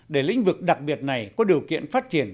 để lĩnh vực đặc biệt này có điều kiện phát triển